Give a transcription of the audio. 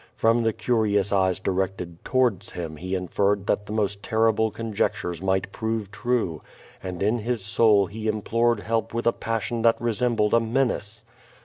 From the curious eyes directed towards him he inferred that the most terrible conjectures might prove true, and in his soul he implored help with a passion that resembled a menace.